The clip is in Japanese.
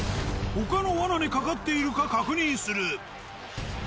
他の罠に掛かっているか確認する。